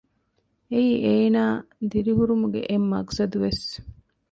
އެއީ އޭނާ ދިރިހުރުމުގެ އެއް މަޤުޞަދުވެސް